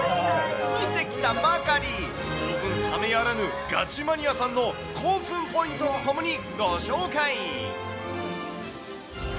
見てきたばかり、興奮冷めやらぬガチマニアさんの興奮ポイントと共にご紹介。